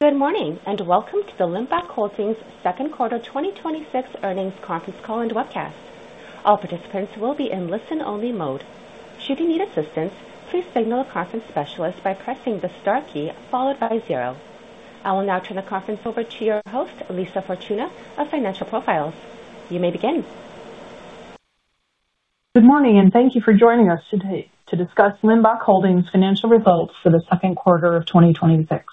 Good morning, welcome to the Limbach Holdings second quarter 2026 earnings conference call and webcast. All participants will be in listen-only mode. Should you need assistance, please signal a conference specialist by pressing the star key followed by zero. I will now turn the conference over to your host, Lisa Fortuna of Financial Profiles. You may begin. Good morning, thank you for joining us today to discuss Limbach Holdings' financial results for the second quarter of 2026.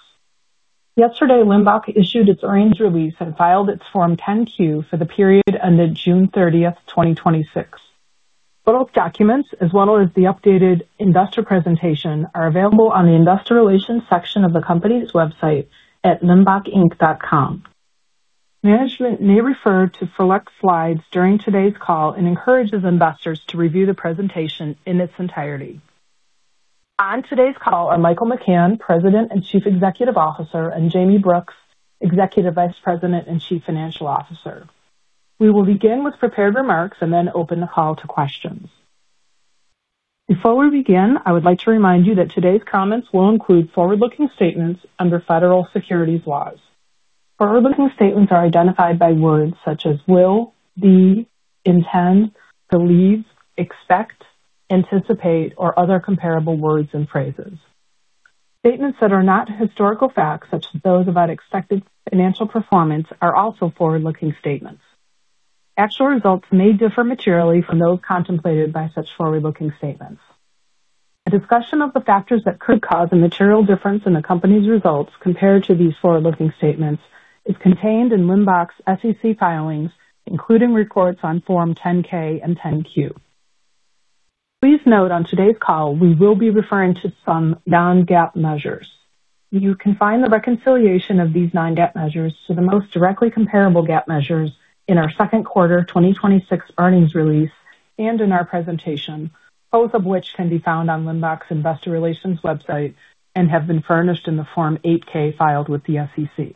Yesterday, Limbach issued its earnings release and filed its Form 10-Q for the period ended June 30th, 2026. Both documents, as well as the updated investor presentation, are available on the investor relations section of the company's website at limbachinc.com. Management may refer to select slides during today's call and encourages investors to review the presentation in its entirety. On today's call are Michael McCann, President and Chief Executive Officer, and Jayme Brooks, Executive Vice President and Chief Financial Officer. We will begin with prepared remarks, then open the call to questions. Before we begin, I would like to remind you that today's comments will include forward-looking statements under federal securities laws. Forward-looking statements are identified by words such as will, be, intend, believe, expect, anticipate, or other comparable words and phrases. Statements that are not historical facts, such as those about expected financial performance, are also forward-looking statements. Actual results may differ materially from those contemplated by such forward-looking statements. A discussion of the factors that could cause a material difference in the company's results compared to these forward-looking statements is contained in Limbach's SEC filings, including reports on Form 10-K and 10-Q. Please note on today's call, we will be referring to some non-GAAP measures. You can find the reconciliation of these non-GAAP measures to the most directly comparable GAAP measures in our second quarter 2026 earnings release and in our presentation, both of which can be found on Limbach's investor relations website and have been furnished in the Form 8-K filed with the SEC.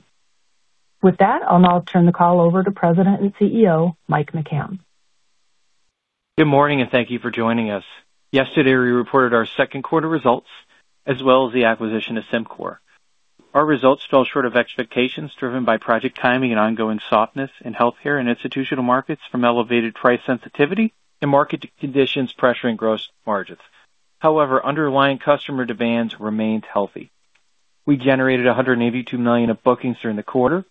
With that, I'll now turn the call over to President and CEO, Mike McCann. Good morning, and thank you for joining us. Yesterday, we reported our second quarter results as well as the acquisition of CYMCOR. Our results fell short of expectations, driven by project timing and ongoing softness in healthcare and institutional markets from elevated price sensitivity and market conditions pressuring gross margins. However, underlying customer demands remained healthy. We generated $182 million of bookings during the quarter.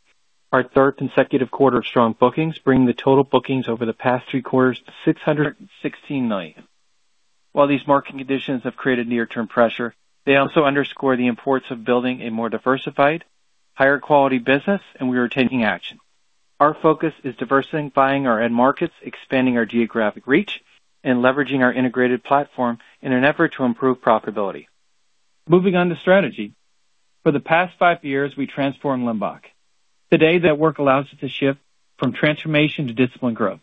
Our third consecutive quarter of strong bookings, bringing the total bookings over the past three quarters to $616 million. While these market conditions have created near-term pressure, they also underscore the importance of building a more diversified, higher-quality business, and we are taking action. Our focus is diversifying our end markets, expanding our geographic reach, and leveraging our integrated platform in an effort to improve profitability. Moving on to strategy. For the past five years, we transformed Limbach. Today, that work allows us to shift from transformation to disciplined growth.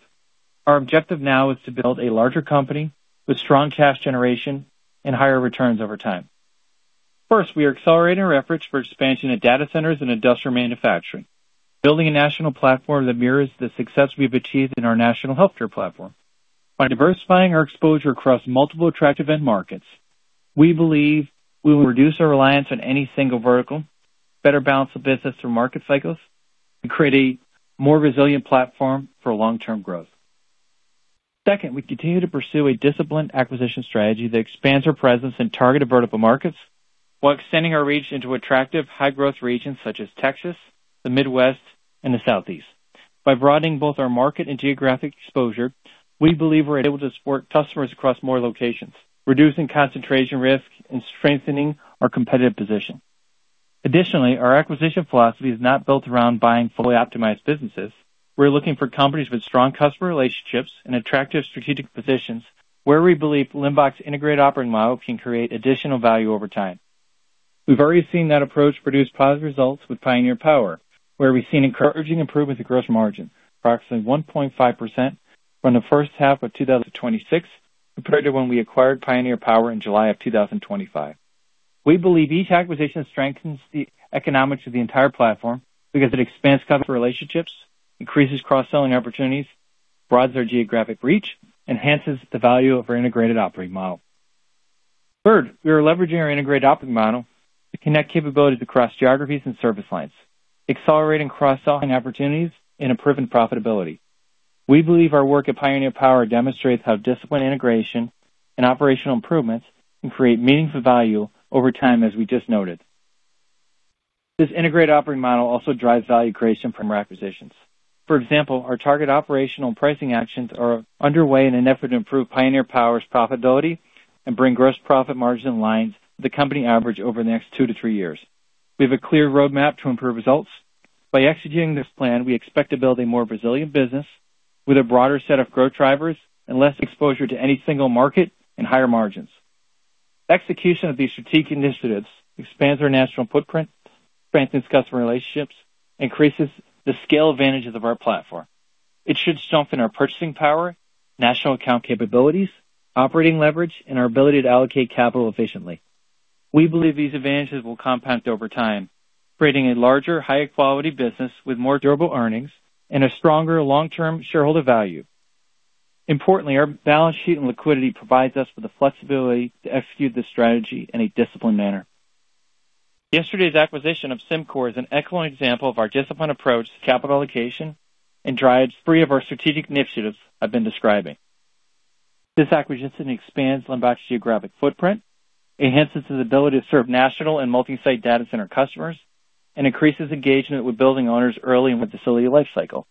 Our objective now is to build a larger company with strong cash generation and higher returns over time. First, we are accelerating our efforts for expansion of data centers and industrial manufacturing, building a national platform that mirrors the success we've achieved in our national healthcare platform. By diversifying our exposure across multiple attractive end markets, we believe we will reduce our reliance on any single vertical, better balance the business through market cycles, and create a more resilient platform for long-term growth. Second, we continue to pursue a disciplined acquisition strategy that expands our presence in targeted vertical markets while extending our reach into attractive high-growth regions such as Texas, the Midwest, and the Southeast. By broadening both our market and geographic exposure, we believe we're able to support customers across more locations, reducing concentration risk and strengthening our competitive position. Additionally, our acquisition philosophy is not built around buying fully optimized businesses. We're looking for companies with strong customer relationships and attractive strategic positions where we believe Limbach's integrated operating model can create additional value over time. We've already seen that approach produce positive results with Pioneer Power, where we've seen encouraging improvements in gross margin, approximately 1.5% from the first half of 2026 compared to when we acquired Pioneer Power in July of 2025. We believe each acquisition strengthens the economics of the entire platform because it expands customer relationships, increases cross-selling opportunities, broadens our geographic reach, enhances the value of our integrated operating model. Third, we are leveraging our integrated operating model to connect capabilities across geographies and service lines, accelerating cross-selling opportunities and improving profitability. We believe our work at Pioneer Power demonstrates how disciplined integration and operational improvements can create meaningful value over time, as we just noted. This integrated operating model also drives value creation from our acquisitions. For example, our target operational pricing actions are underway in an effort to improve Pioneer Power's profitability and bring gross profit margin in line with the company average over the next two to three years. We have a clear roadmap to improve results. By executing this plan, we expect to build a more resilient business with a broader set of growth drivers and less exposure to any single market and higher margins. Execution of these strategic initiatives expands our national footprint, strengthens customer relationships, increases the scale advantages of our platform. It should strengthen our purchasing power, national account capabilities, operating leverage, and our ability to allocate capital efficiently. We believe these advantages will compound over time, creating a larger, higher-quality business with more durable earnings and a stronger long-term shareholder value. Importantly, our balance sheet and liquidity provides us with the flexibility to execute the strategy in a disciplined manner. Yesterday's acquisition of CYMCOR is an excellent example of our disciplined approach to capital allocation and drives three of our strategic initiatives I've been describing. This acquisition expands Limbach's geographic footprint, enhances its ability to serve national and multi-site data center customers, and increases engagement with building owners early in the facility lifecycle.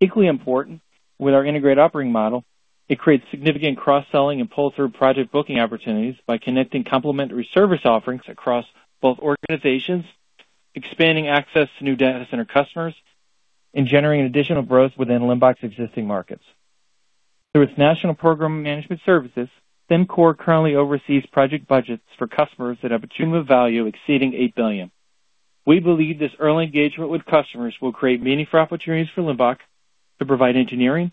Equally important, with our integrated operating model, it creates significant cross-selling and pull-through project booking opportunities by connecting complementary service offerings across both organizations, expanding access to new data center customers, and generating additional growth within Limbach's existing markets. Through its national program management services, CYMCOR currently oversees project budgets for customers that have a cumulative value exceeding $8 billion. We believe this early engagement with customers will create meaningful opportunities for Limbach to provide engineering,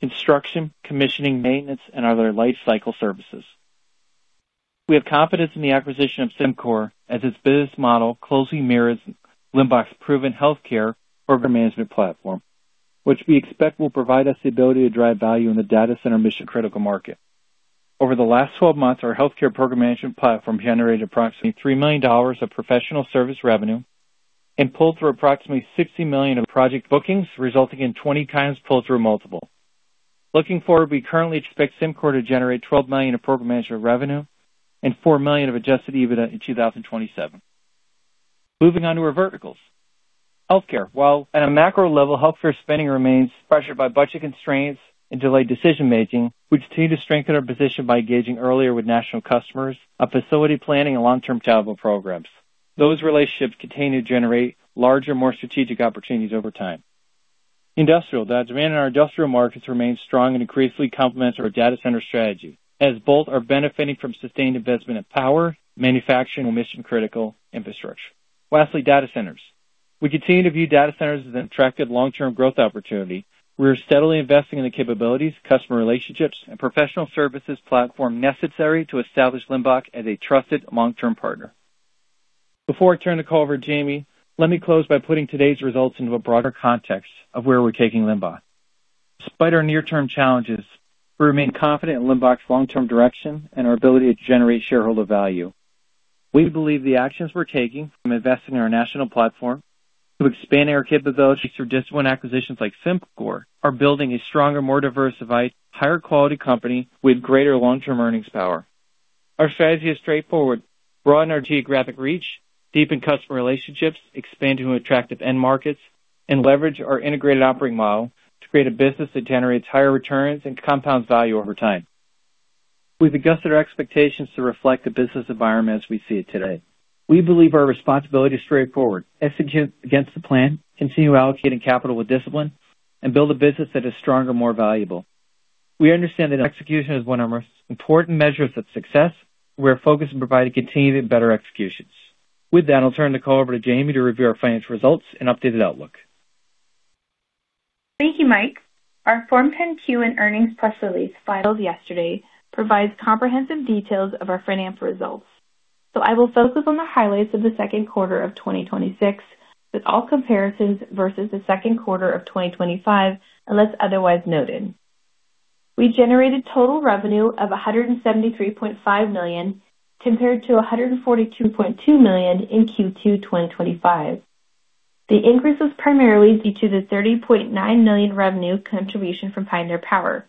construction, commissioning, maintenance, and other lifecycle services. We have confidence in the acquisition of CYMCOR as its business model closely mirrors Limbach's proven healthcare program management platform, which we expect will provide us the ability to drive value in the data center mission-critical market. Over the last 12 months, our healthcare program management platform generated approximately $3 million of professional service revenue and pulled through approximately $60 million of project bookings, resulting in 20 times pull-through multiple. Looking forward, we currently expect CYMCOR to generate $12 million of program management revenue and $4 million of Adjusted EBITDA in 2027. Moving on to our verticals. Healthcare. While at a macro level, healthcare spending remains pressured by budget constraints and delayed decision-making, we continue to strengthen our position by engaging earlier with national customers on facility planning and long-term capital programs. Those relationships continue to generate larger, more strategic opportunities over time. Industrial. The demand in our industrial markets remains strong and increasingly complements our data center strategy, as both are benefiting from sustained investment in power, manufacturing, and mission-critical infrastructure. Lastly, data centers. We continue to view data centers as an attractive long-term growth opportunity. We are steadily investing in the capabilities, customer relationships, and professional services platform necessary to establish Limbach as a trusted long-term partner. Before I turn the call over to Jayme, let me close by putting today's results into a broader context of where we're taking Limbach. Despite our near-term challenges, we remain confident in Limbach's long-term direction and our ability to generate shareholder value. We believe the actions we're taking, from investing in our national platform to expanding our capabilities through disciplined acquisitions like CYMCOR, are building a stronger, more diversified, higher-quality company with greater long-term earnings power. Our strategy is straightforward. Broaden our geographic reach, deepen customer relationships, expand to attractive end markets, and leverage our integrated operating model to create a business that generates higher returns and compounds value over time. We've adjusted our expectations to reflect the business environment as we see it today. We believe our responsibility is straightforward: execute against the plan, continue allocating capital with discipline, and build a business that is stronger and more valuable. We understand that execution is one of our most important measures of success. We are focused on providing continued and better executions. With that, I'll turn the call over to Jayme to review our financial results and updated outlook. Thank you, Mike. Our Form 10-Q and earnings press release filed yesterday provides comprehensive details of our financial results. I will focus on the highlights of the second quarter of 2026 with all comparisons versus the second quarter of 2025, unless otherwise noted. We generated total revenue of $173.5 million compared to $142.2 million in Q2 2025. The increase was primarily due to the $30.9 million revenue contribution from Pioneer Power.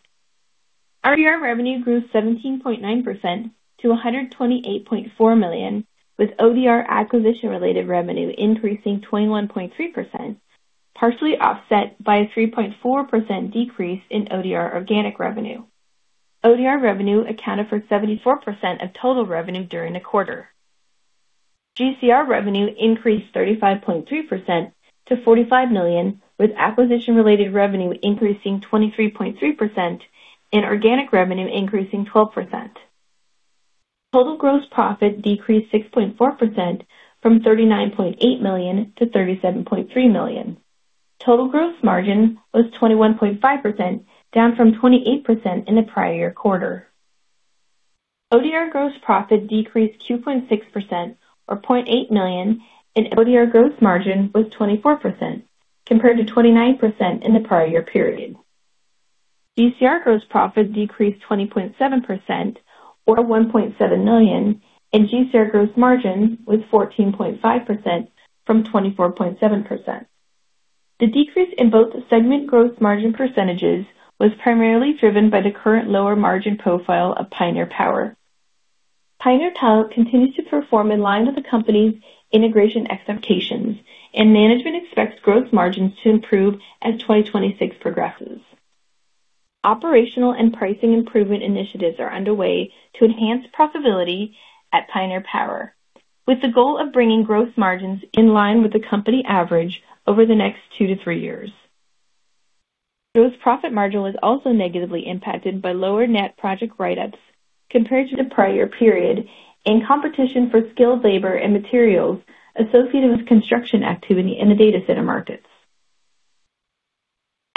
ODR revenue grew 17.9% to $128.4 million, with ODR acquisition-related revenue increasing 21.3%, partially offset by a 3.4% decrease in ODR organic revenue. ODR revenue accounted for 74% of total revenue during the quarter. GCR revenue increased 35.3% to $45 million, with acquisition-related revenue increasing 23.3% and organic revenue increasing 12%. Total gross profit decreased 6.4% from $39.8 million to $37.3 million. Total gross margin was 21.5%, down from 28% in the prior year quarter. ODR gross profit decreased 2.6%, or $0.8 million, and ODR gross margin was 24% compared to 29% in the prior year period. GCR gross profit decreased 20.7%, or $1.7 million, and GCR gross margin was 14.5% from 24.7%. The decrease in both segment gross margin percentages was primarily driven by the current lower margin profile of Pioneer Power. Pioneer Power continues to perform in line with the company's integration expectations, and management expects gross margins to improve as 2026 progresses. Operational and pricing improvement initiatives are underway to enhance profitability at Pioneer Power, with the goal of bringing gross margins in line with the company average over the next two to three years. Gross profit margin was also negatively impacted by lower net project write-ups compared to the prior period and competition for skilled labor and materials associated with construction activity in the data center markets.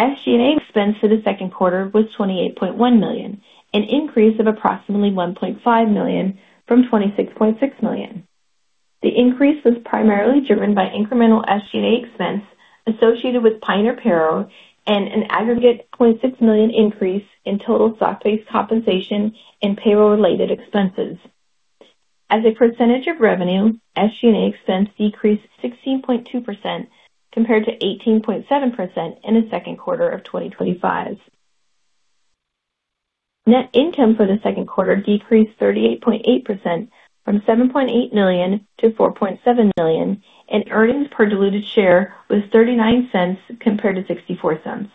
SG&A expense for the second quarter was $28.1 million, an increase of approximately $1.5 million from $26.6 million. The increase was primarily driven by incremental SG&A expense associated with Pioneer Power and an aggregate $0.6 million increase in total stock-based compensation and payroll-related expenses. As a percentage of revenue, SG&A expense decreased 16.2% compared to 18.7% in the second quarter of 2025. Net income for the second quarter decreased 38.8%, from $7.8 million to $4.7 million, and earnings per diluted share was $0.39 compared to $0.64.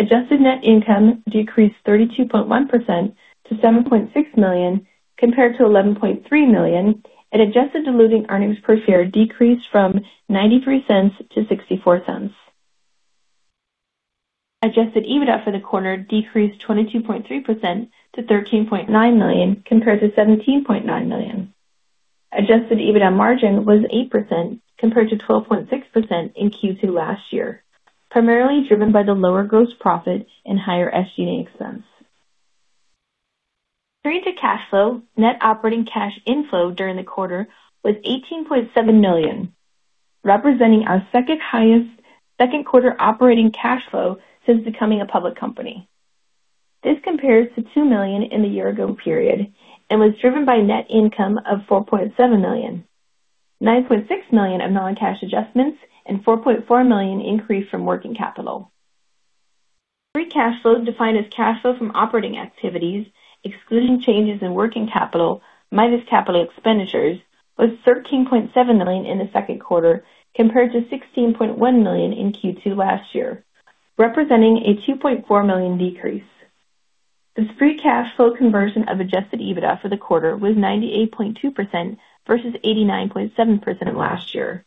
Adjusted net income decreased 32.1% to $7.6 million compared to $11.3 million, and adjusted diluted earnings per share decreased from $0.93 to $0.64. Adjusted EBITDA for the quarter decreased 22.3% to $13.9 million compared to $17.9 million. Adjusted EBITDA margin was 8% compared to 12.6% in Q2 last year, primarily driven by the lower gross profit and higher SG&A expense. Turning to cash flow, net operating cash inflow during the quarter was $18.7 million, representing our second highest second quarter operating cash flow since becoming a public company. This compares to $2 million in the year ago period and was driven by net income of $4.7 million, $9.6 million of non-cash adjustments, and $4.4 million increase from working capital. Free Cash Flow defined as cash flow from operating activities, excluding changes in working capital, minus capital expenditures, was $13.7 million in the second quarter compared to $16.1 million in Q2 last year, representing a $2.4 million decrease. This Free Cash Flow conversion of Adjusted EBITDA for the quarter was 98.2% versus 89.7% last year.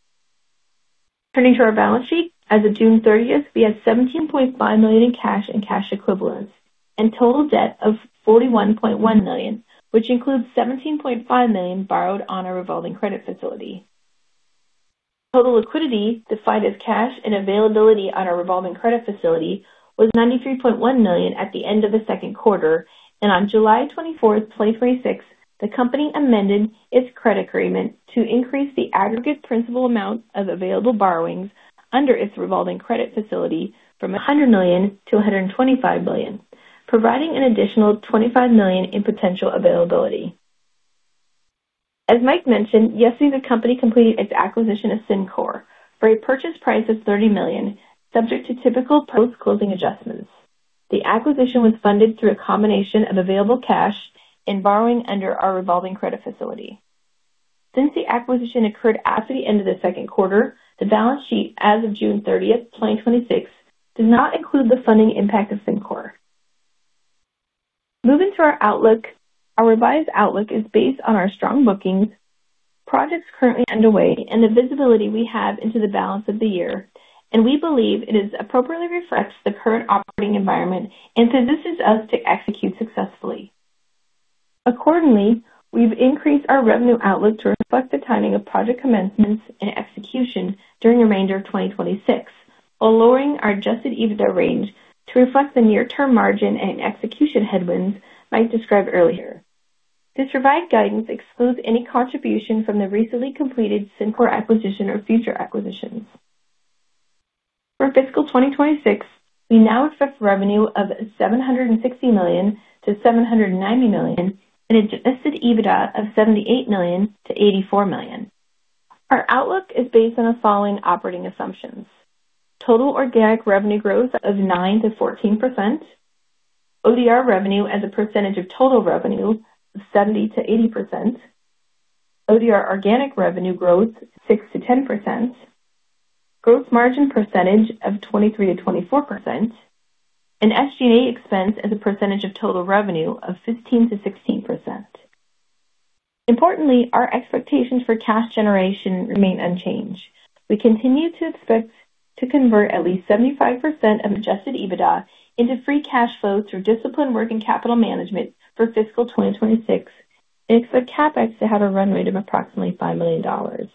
Turning to our balance sheet, as of June 30th, we had $17.5 million in cash and cash equivalents and total debt of $41.1 million, which includes $17.5 million borrowed on our revolving credit facility. Total liquidity defined as cash and availability on our revolving credit facility was $93.1 million at the end of the second quarter. On July 24th, 2026, the company amended its credit agreement to increase the aggregate principal amount of available borrowings under its revolving credit facility from $100 million to $125 million, providing an additional $25 million in potential availability. As Mike mentioned, yesterday, the company completed its acquisition of CYMCOR for a purchase price of $30 million subject to typical post-closing adjustments. The acquisition was funded through a combination of available cash and borrowing under our revolving credit facility. Since the acquisition occurred after the end of the second quarter, the balance sheet as of June 30th, 2026, does not include the funding impact of CYMCOR. Moving to our outlook, our revised outlook is based on our strong bookings, projects currently underway, and the visibility we have into the balance of the year. We believe it appropriately reflects the current operating environment and positions us to execute successfully. Accordingly, we've increased our revenue outlook to reflect the timing of project commencements and execution during the remainder of 2026, while lowering our Adjusted EBITDA range to reflect the near-term margin and execution headwinds Mike described earlier. This revised guidance excludes any contribution from the recently completed CYMCOR acquisition or future acquisitions. For fiscal 2026, we now expect revenue of $760 million-$790 million and Adjusted EBITDA of $78 million-$84 million. Our outlook is based on the following operating assumptions: Total organic revenue growth of 9%-14%, ODR revenue as a percentage of total revenue of 70%-80%, ODR organic revenue growth 6%-10%, gross margin percentage of 23%-24%, and SG&A expense as a percentage of total revenue of 15%-16%. Importantly, our expectations for cash generation remain unchanged. We continue to expect to convert at least 75% of Adjusted EBITDA into Free Cash Flow through disciplined working capital management for fiscal 2026 and expect CapEx to have a run rate of approximately $5 million.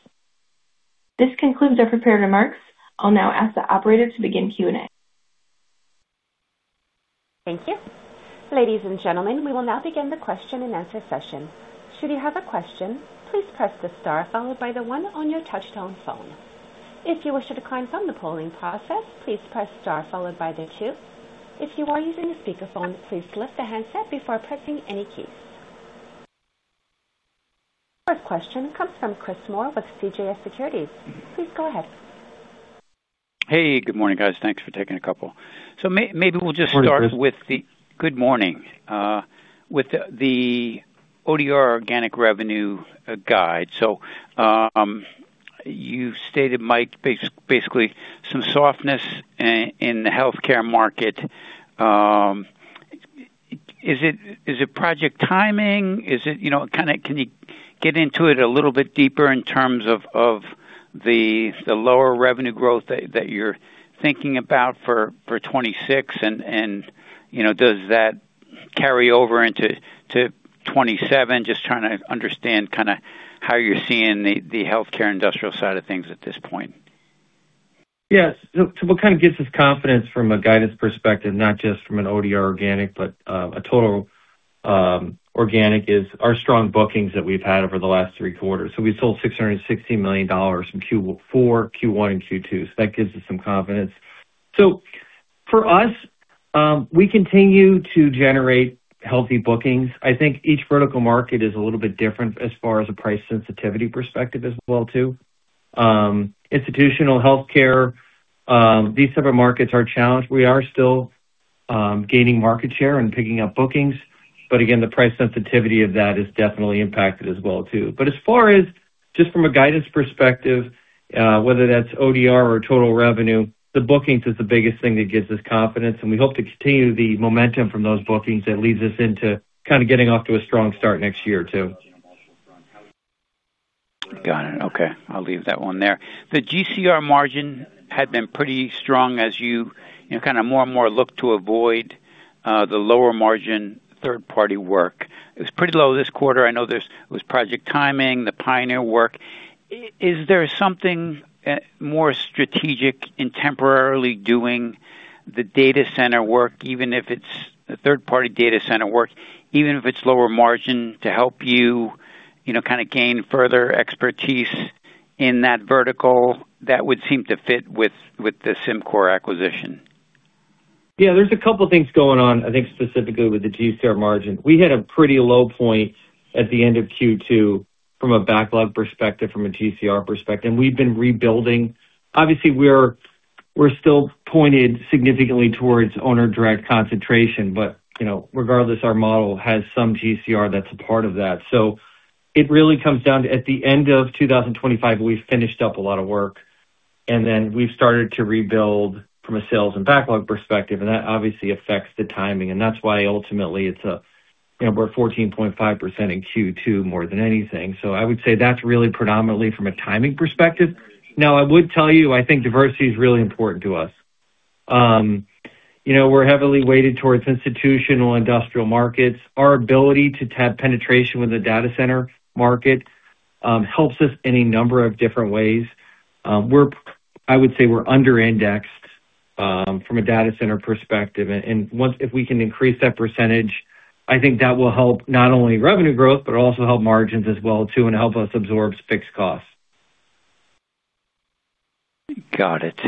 This concludes our prepared remarks. I'll now ask the operator to begin Q&A. Thank you. Ladies and gentlemen, we will now begin the question and answer session. Should you have a question, please press the star followed by the one on your touch-tone phone. If you wish to decline from the polling process, please press star followed by the two. If you are using a speakerphone, please lift the handset before pressing any keys. First question comes from Chris Moore with CJS Securities. Please go ahead. Hey, good morning, guys. Thanks for taking a couple. Good morning. Good morning. Maybe we'll just start with the ODR organic revenue guide. You stated, Mike, basically some softness in the healthcare market. Is it project timing? Can you get into it a little bit deeper in terms of the lower revenue growth that you're thinking about for 2026, and does that carry over into 2027? Just trying to understand how you're seeing the healthcare industrial side of things at this point. What kind of gives us confidence from a guidance perspective, not just from an ODR organic, but a total organic, is our strong bookings that we've had over the last three quarters. We sold $616 million in Q4, Q1, and Q2, that gives us some confidence. For us, we continue to generate healthy bookings. I think each vertical market is a little bit different as far as a price sensitivity perspective as well too. Institutional healthcare, these type of markets are challenged. We are still gaining market share and picking up bookings, again, the price sensitivity of that is definitely impacted as well too. As far as just from a guidance perspective, whether that's ODR or total revenue, the bookings is the biggest thing that gives us confidence, we hope to continue the momentum from those bookings that leads us into kind of getting off to a strong start next year, too. Got it. Okay. I'll leave that one there. The GCR margin had been pretty strong as you more and more look to avoid the lower margin third-party work. It was pretty low this quarter. I know there was project timing, the Pioneer work. Is there something more strategic in temporarily doing the data center work, even if it's the third-party data center work, even if it's lower margin to help you gain further expertise in that vertical that would seem to fit with the CYMCOR acquisition? There's a couple things going on, I think, specifically with the GCR margin. We had a pretty low point at the end of Q2 from a backlog perspective, from a GCR perspective, we've been rebuilding. Obviously, we're still pointed significantly towards owner direct concentration, regardless, our model has some GCR that's a part of that. It really comes down to at the end of 2025, we finished up a lot of work, we've started to rebuild from a sales and backlog perspective, that obviously affects the timing, that's why ultimately we're 14.5% in Q2 more than anything. I would say that's really predominantly from a timing perspective. I would tell you, I think diversity is really important to us. We're heavily weighted towards institutional industrial markets. Our ability to tap penetration with the data center market helps us in a number of different ways. I would say we're under-indexed from a data center perspective. If we can increase that percentage, I think that will help not only revenue growth, but also help margins as well too, and help us absorb fixed costs. Got it.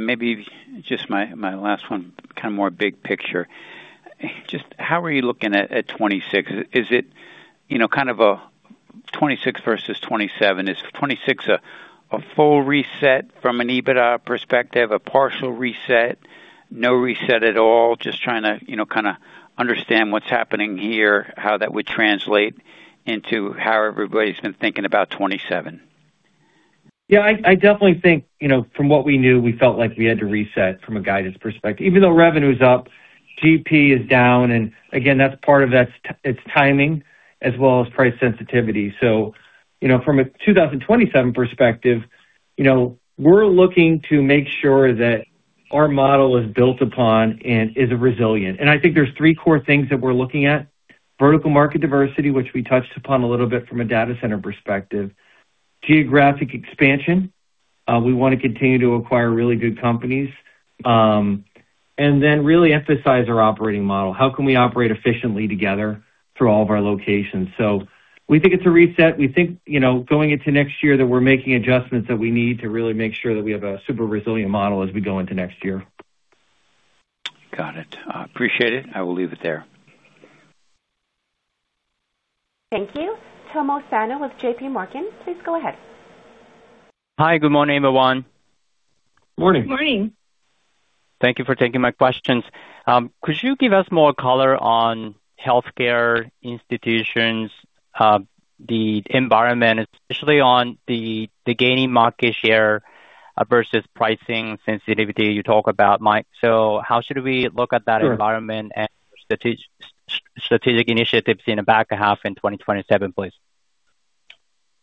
Maybe just my last one, kind of more big picture. How are you looking at 2026? Is it kind of a 2026 versus 2027? Is 2026 a full reset from an EBITDA perspective, a partial reset, no reset at all? Trying to kind of understand what's happening here, how that would translate into how everybody's been thinking about 2027. I definitely think, from what we knew, we felt like we had to reset from a guidance perspective. Even though revenue is up, GP is down. Again, that's part of that. It's timing as well as price sensitivity. From a 2027 perspective, we're looking to make sure that our model is built upon and is resilient. I think there's three core things that we're looking at. Vertical market diversity, which we touched upon a little bit from a data center perspective. Geographic expansion. We want to continue to acquire really good companies. Then really emphasize our operating model. How can we operate efficiently together through all of our locations? We think it's a reset. We think, going into next year, that we're making adjustments that we need to really make sure that we have a super resilient model as we go into next year. Got it. Appreciate it. I will leave it there. Thank you. Tomo Sano with JPMorgan, please go ahead. Hi, good morning, everyone. Morning. Morning. Thank you for taking my questions. Could you give us more color on healthcare institutions, the environment, especially on the gaining market share versus pricing sensitivity you talk about, Mike? How should we look at that environment- Sure. And strategic initiatives in the back half in 2027, please?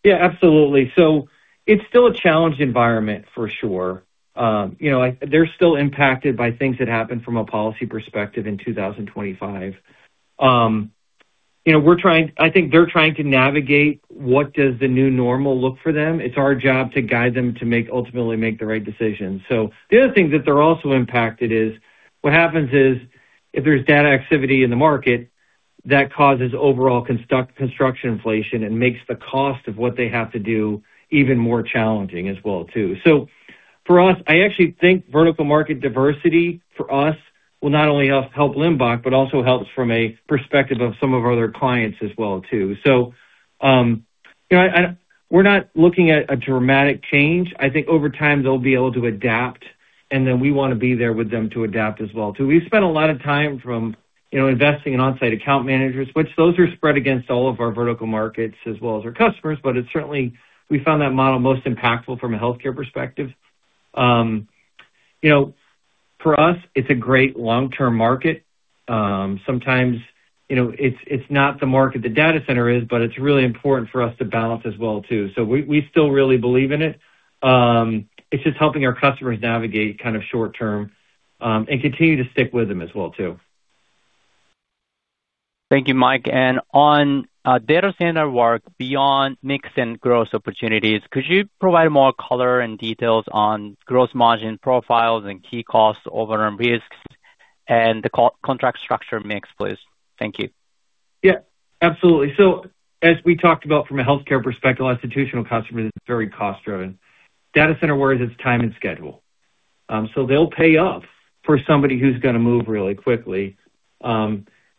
Absolutely. It's still a challenged environment for sure. They're still impacted by things that happened from a policy perspective in 2025. I think they're trying to navigate what does the new normal look for them. It's our job to guide them to ultimately make the right decision. The other thing that they're also impacted is, what happens is, if there's data activity in the market that causes overall construction inflation and makes the cost of what they have to do even more challenging as well too. For us, I actually think vertical market diversity for us will not only help Limbach, but also helps from a perspective of some of our other clients as well too. We're not looking at a dramatic change. I think over time, they'll be able to adapt, and then we want to be there with them to adapt as well too. We've spent a lot of time from investing in on-site account managers, which those are spread against all of our vertical markets as well as our customers. It's certainly we found that model most impactful from a healthcare perspective. For us, it's a great long-term market. Sometimes it's not the market the data center is, but it's really important for us to balance as well too. We still really believe in it. It's just helping our customers navigate kind of short term, and continue to stick with them as well, too. Thank you, Mike. On data center work beyond mix and growth opportunities, could you provide more color and details on growth margin profiles and key costs over risk and the contract structure mix, please? Thank you. Absolutely. As we talked about from a healthcare perspective, institutional customer is very cost-driven. Data center, whereas it's time and schedule. They'll pay up for somebody who's going to move really quickly.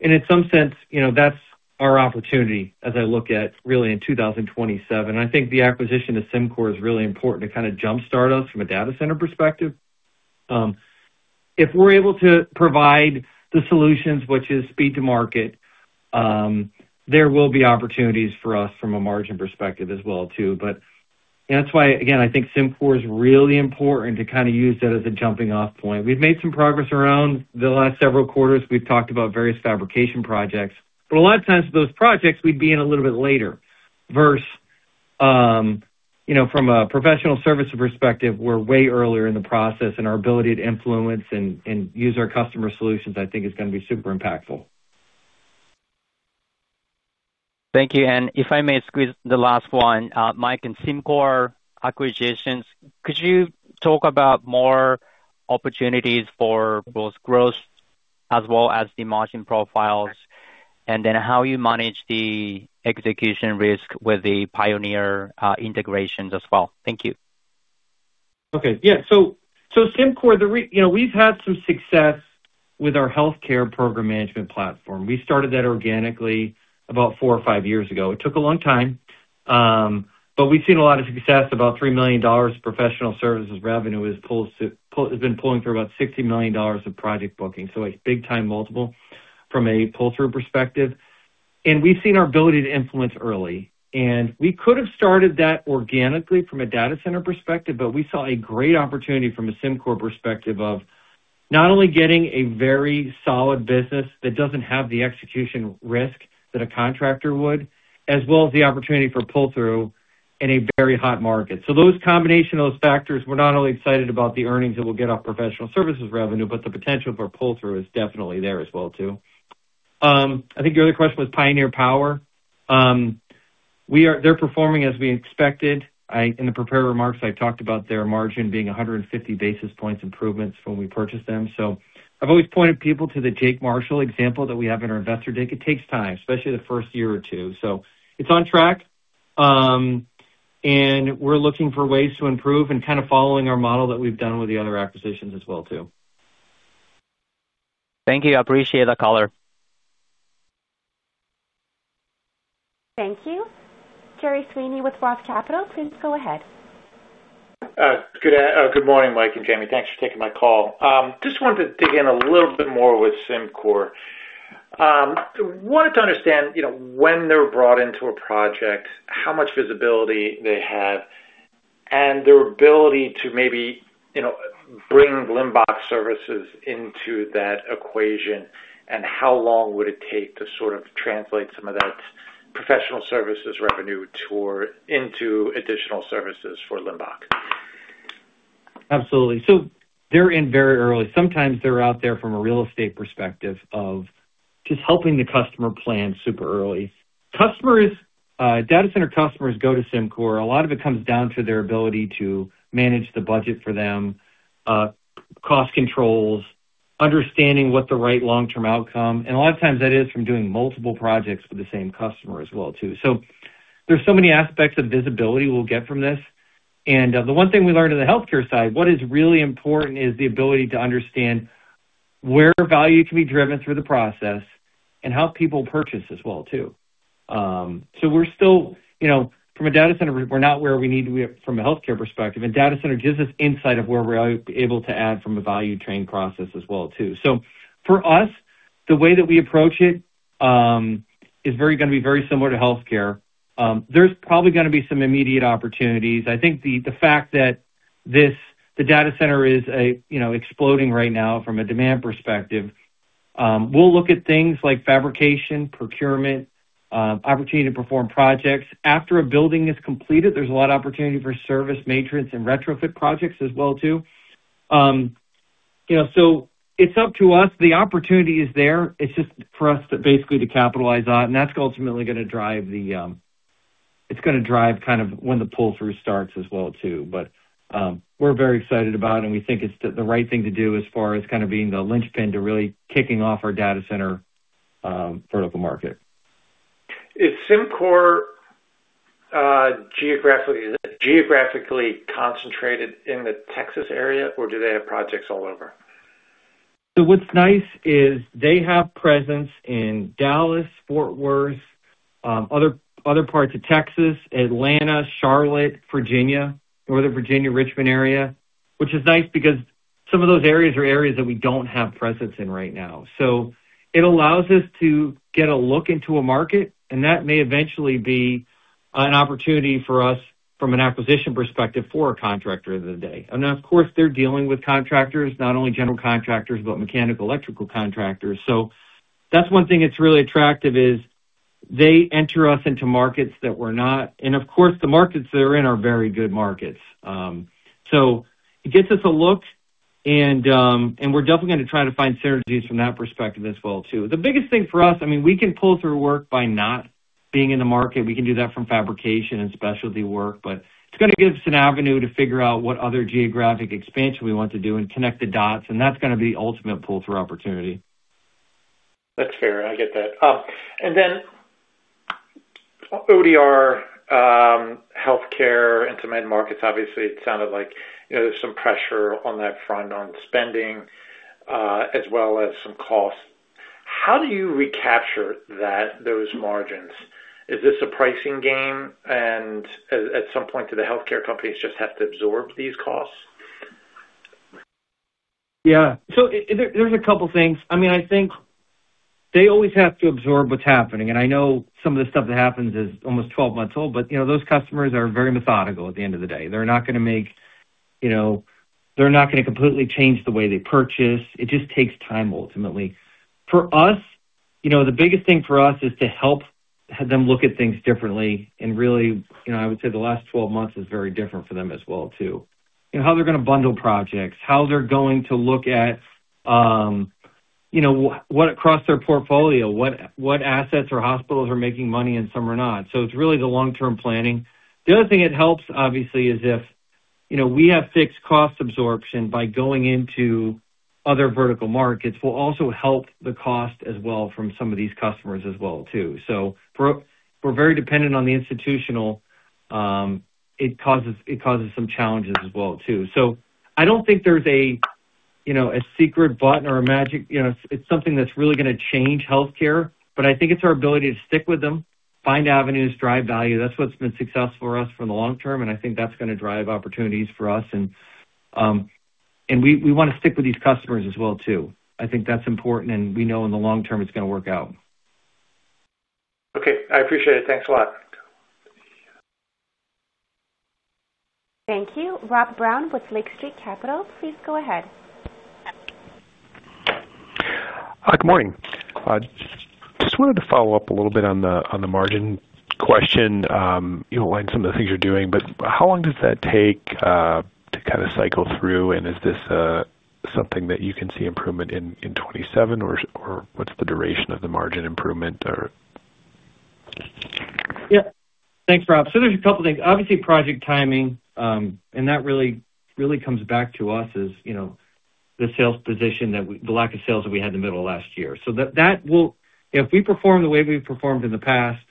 In some sense, that's our opportunity as I look at really in 2027. I think the acquisition of CYMCOR is really important to kind of jumpstart us from a data center perspective. If we're able to provide the solutions, which is speed to market, there will be opportunities for us from a margin perspective as well too. That's why, again, I think CYMCOR is really important to kind of use that as a jumping-off point. We've made some progress around the last several quarters. We've talked about various fabrication projects. A lot of times those projects we'd be in a little bit later versus, from a professional services perspective, we're way earlier in the process. Our ability to influence and use our customer solutions, I think is going to be super impactful. Thank you. If I may squeeze the last one. Mike, in CYMCOR acquisitions, could you talk about more opportunities for both growth as well as the margin profiles? How you manage the execution risk with the Pioneer integrations as well? Thank you. Okay. Yeah. CYMCOR, we've had some success with our healthcare program management platform. We started that organically about four or five years ago. It took a long time, but we've seen a lot of success. About $3 million professional services revenue has been pulling through about $60 million of project booking. A big time multiple from a pull-through perspective. We've seen our ability to influence early. We could have started that organically from a data center perspective, but we saw a great opportunity from a CYMCOR perspective of not only getting a very solid business that doesn't have the execution risk that a contractor would, as well as the opportunity for pull-through in a very hot market. Those combination of those factors, we're not only excited about the earnings that we'll get off professional services revenue, but the potential for pull-through is definitely there as well too. I think your other question was Pioneer Power. They're performing as we expected. In the prepared remarks, I talked about their margin being 150 basis points improvements when we purchased them. I've always pointed people to the Jake Marshall example that we have in our investor deck. It takes time, especially the first year or two. It's on track, and we're looking for ways to improve and kind of following our model that we've done with the other acquisitions as well too. Thank you. I appreciate the color. Thank you. Gerry Sweeney with ROTH Capital, please go ahead. Good morning, Mike and Jayme. Thanks for taking my call. Just wanted to dig in a little bit more with CYMCOR. Wanted to understand when they're brought into a project, how much visibility they have, and their ability to maybe bring Limbach services into that equation, and how long would it take to sort of translate some of that professional services revenue into additional services for Limbach? Absolutely. They're in very early. Sometimes they're out there from a real estate perspective of just helping the customer plan super early. Data center customers go to CYMCOR. A lot of it comes down to their ability to manage the budget for them, cost controls, understanding what the right long-term outcome, and a lot of times that is from doing multiple projects for the same customer as well too. There's so many aspects of visibility we'll get from this. The one thing we learned on the healthcare side, what is really important is the ability to understand where value can be driven through the process and how people purchase as well too. We're still, from a data center, we're not where we need to be from a healthcare perspective, data center gives us insight of where we're able to add from a value train process as well too. For us, the way that we approach it, is going to be very similar to healthcare. There's probably going to be some immediate opportunities. I think the fact that the data center is exploding right now from a demand perspective. We'll look at things like fabrication, procurement, opportunity to perform projects. After a building is completed, there's a lot of opportunity for service maintenance and retrofit projects as well too. It's up to us. The opportunity is there. It's just for us to basically to capitalize on, and that's ultimately going to drive kind of when the pull-through starts as well too. We're very excited about it, we think it's the right thing to do as far as kind of being the linchpin to really kicking off our data center vertical market. Is CYMCOR geographically concentrated in the Texas area, or do they have projects all over? What's nice is they have presence in Dallas, Fort Worth, other parts of Texas, Atlanta, Charlotte, Virginia, Northern Virginia, Richmond area, which is nice because some of those areas are areas that we don't have presence in right now. It allows us to get a look into a market, that may eventually be an opportunity for us from an acquisition perspective for a contractor of the day. Of course, they're dealing with contractors, not only general contractors, but mechanical electrical contractors. That's one thing that's really attractive is. They enter us into markets that we're not. Of course, the markets they're in are very good markets. It gets us a look, we're definitely going to try to find synergies from that perspective as well too. The biggest thing for us, we can pull through work by not being in the market. We can do that from fabrication and specialty work, but it's going to give us an avenue to figure out what other geographic expansion we want to do and connect the dots, and that's going to be ultimate pull-through opportunity. That's fair. I get that. Then ODR, healthcare, and some end markets, obviously, it sounded like there's some pressure on that front on spending, as well as some costs. How do you recapture those margins? Is this a pricing game? At some point, do the healthcare companies just have to absorb these costs? Yeah. There's a couple things. I think they always have to absorb what's happening, and I know some of the stuff that happens is almost 12 months old, but those customers are very methodical at the end of the day. They're not going to completely change the way they purchase. It just takes time, ultimately. For us, the biggest thing for us is to help have them look at things differently, and really, I would say the last 12 months is very different for them as well, too. How they're going to bundle projects, how they're going to look at what across their portfolio, what assets or hospitals are making money and some are not. It's really the long-term planning. The other thing it helps, obviously, is if we have fixed cost absorption by going into other vertical markets, will also help the cost as well from some of these customers as well too. For we're very dependent on the institutional. It causes some challenges as well, too. I don't think there's a secret button or a magic. It's something that's really going to change healthcare, but I think it's our ability to stick with them, find avenues, drive value. That's what's been successful for us for the long term, and I think that's going to drive opportunities for us, and we want to stick with these customers as well too. I think that's important, and we know in the long term it's going to work out. Okay. I appreciate it. Thanks a lot. Thank you. Rob Brown with Lake Street Capital, please go ahead. Hi. Good morning. Just wanted to follow up a little bit on the margin question. You outlined some of the things you're doing, how long does that take to kind of cycle through, and is this something that you can see improvement in 2027, or what's the duration of the margin improvement? Yeah. Thanks, Rob. There's a couple of things. Obviously, project timing, and that really comes back to us as the lack of sales that we had in the middle of last year. If we perform the way we've performed in the past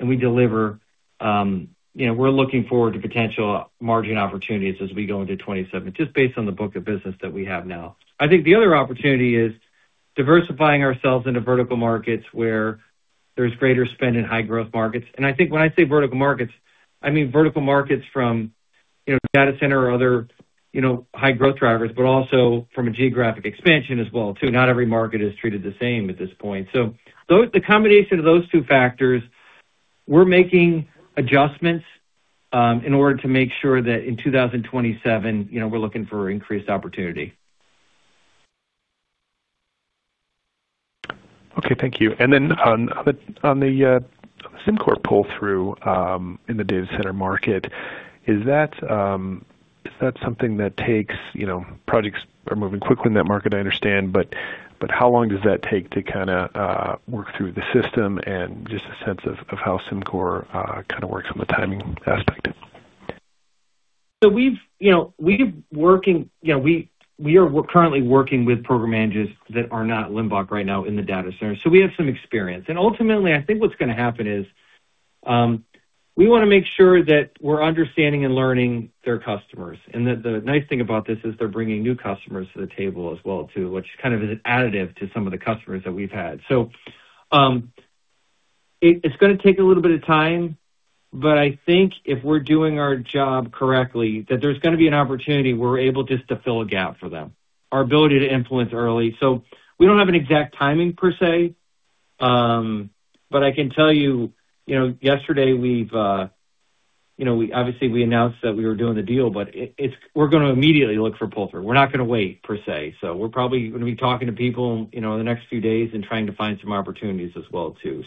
and we deliver, we're looking forward to potential margin opportunities as we go into 2027, just based on the book of business that we have now. I think the other opportunity is diversifying ourselves into vertical markets where there's greater spend in high growth markets. I think when I say vertical markets, I mean vertical markets from data center or other high growth drivers, but also from a geographic expansion as well too. Not every market is treated the same at this point. The combination of those two factors, we're making adjustments in order to make sure that in 2027, we're looking for increased opportunity. Okay. Thank you. On the CYMCOR pull-through in the data center market, is that something that Projects are moving quickly in that market, I understand, but how long does that take to kind of work through the system and just a sense of how CYMCOR kind of works from a timing aspect? We are currently working with program managers that are not Limbach right now in the data center. We have some experience. Ultimately, I think what's going to happen is, we want to make sure that we're understanding and learning their customers, and that the nice thing about this is they're bringing new customers to the table as well too, which kind of is an additive to some of the customers that we've had. It's going to take a little bit of time, but I think if we're doing our job correctly, that there's going to be an opportunity, we're able just to fill a gap for them. Our ability to influence early. We don't have an exact timing per se, but I can tell you, yesterday, obviously we announced that we were doing the deal, but we're going to immediately look for pull-through. We're not going to wait, per se. We're probably going to be talking to people in the next few days and trying to find some opportunities as well too.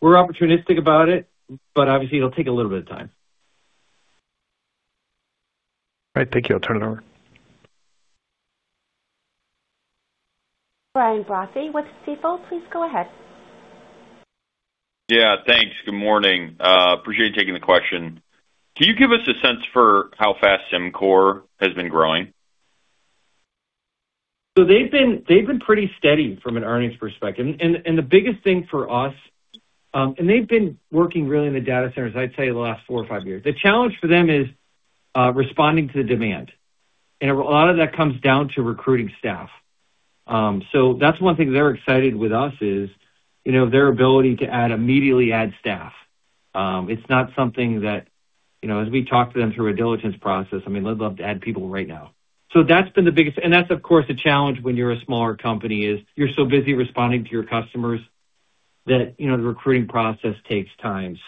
We're opportunistic about it, but obviously, it'll take a little bit of time. All right. Thank you. I'll turn it over. Brian Brophy with Stifel, please go ahead. Yeah. Thanks. Good morning. Appreciate you taking the question. Can you give us a sense for how fast CYMCOR has been growing? They've been pretty steady from an earnings perspective. The biggest thing for us, and they've been working really in the data centers, I'd say the last four or five years. The challenge for them is responding to the demand. A lot of that comes down to recruiting staff. That's one thing they're excited with us is their ability to immediately add staff. It's not something that, as we talk to them through a diligence process, they'd love to add people right now. That's, of course, the challenge when you're a smaller company is you're so busy responding to your customers that the recruiting process takes time.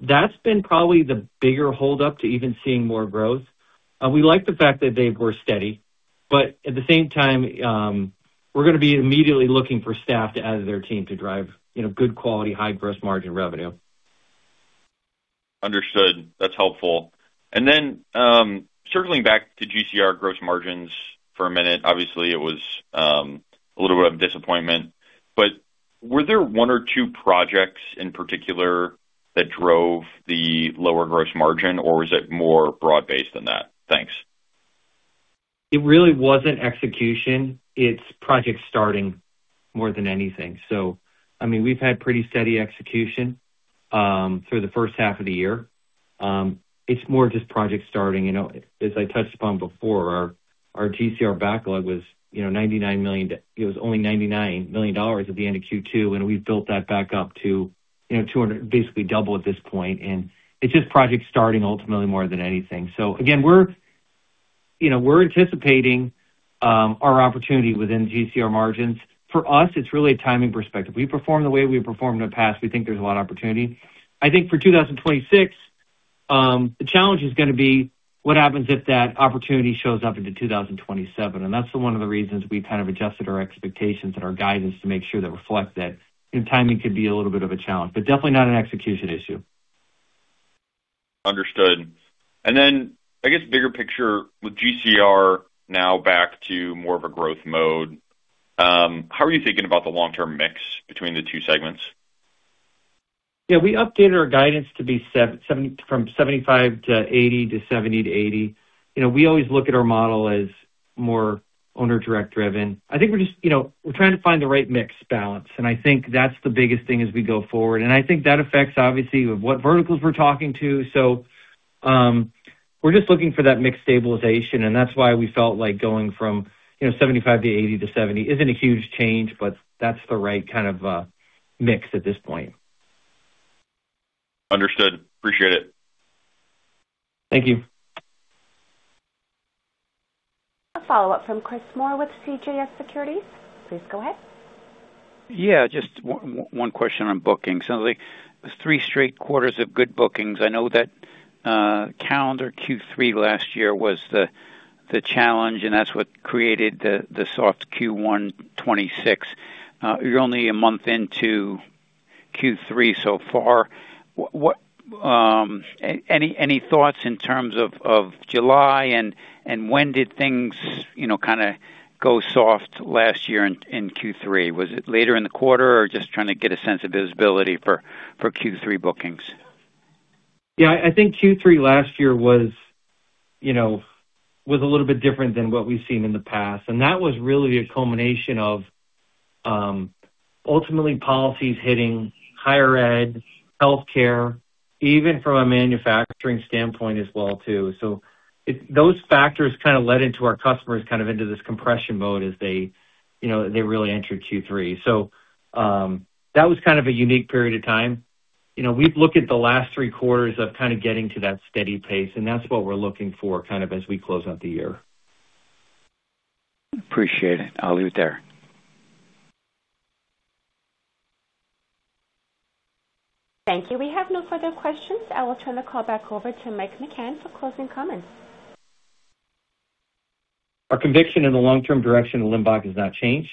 That's been probably the bigger hold up to even seeing more growth. We like the fact that they were steady. At the same time, we're going to be immediately looking for staff to add to their team to drive good quality, high gross margin revenue. Understood. That's helpful. Circling back to GCR gross margins for a minute. Obviously, it was a little bit of a disappointment, were there one or two projects in particular that drove the lower gross margin, or was it more broad-based than that? Thanks. It really wasn't execution. It's project starting more than anything. We've had pretty steady execution through the first half of the year. It's more just project starting. As I touched upon before, our GCR backlog was only $99 million at the end of Q2, we've built that back up to basically double at this point. It's just project starting ultimately more than anything. Again, we're anticipating our opportunity within GCR margins. For us, it's really a timing perspective. We perform the way we've performed in the past, we think there's a lot of opportunity. I think for 2026, the challenge is going to be what happens if that opportunity shows up into 2027. That's one of the reasons we kind of adjusted our expectations and our guidance to make sure that reflects that timing could be a little bit of a challenge, definitely not an execution issue. Understood. I guess, bigger picture with GCR now back to more of a growth mode, how are you thinking about the long-term mix between the two segments? Yeah, we updated our guidance to be from 75 to 80 to 70 to 80. We always look at our model as more owner-direct driven. I think we're trying to find the right mix balance, and I think that's the biggest thing as we go forward. I think that affects obviously what verticals we're talking to. We're just looking for that mix stabilization, and that's why we felt like going from 75 to 80 to 70 isn't a huge change, but that's the right kind of a mix at this point. Understood. Appreciate it. Thank you. A follow-up from Chris Moore with CJS Securities. Please go ahead. Yeah, just one question on bookings. The three straight quarters of good bookings. I know that calendar Q3 last year was the challenge, and that's what created the soft Q1 2026. You're only a month into Q3 so far. Any thoughts in terms of July and when did things kind of go soft last year in Q3? Was it later in the quarter or just trying to get a sense of visibility for Q3 bookings? Yeah, I think Q3 last year was a little bit different than what we've seen in the past, and that was really a culmination of ultimately policies hitting higher ed, healthcare, even from a manufacturing standpoint as well too. Those factors kind of led into our customers kind of into this compression mode as they really entered Q3. That was kind of a unique period of time. We've looked at the last three quarters of kind of getting to that steady pace, and that's what we're looking for kind of as we close out the year. Appreciate it. I'll leave it there. Thank you. We have no further questions. I will turn the call back over to Mike McCann for closing comments. Our conviction in the long-term direction of Limbach has not changed.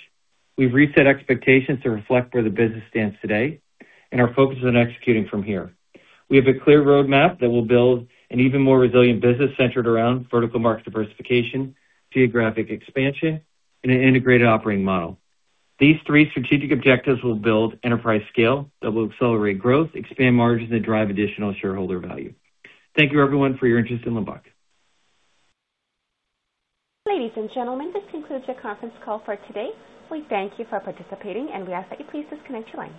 We've reset expectations to reflect where the business stands today and are focused on executing from here. We have a clear roadmap that will build an even more resilient business centered around vertical market diversification, geographic expansion, and an integrated operating model. These three strategic objectives will build enterprise scale that will accelerate growth, expand margins, and drive additional shareholder value. Thank you everyone for your interest in Limbach. Ladies and gentlemen, this concludes your conference call for today. We thank you for participating, and we ask that you please disconnect your line.